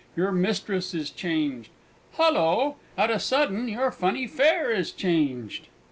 Your mistress is changed! Halloo! at a sudden your funny fair is changed!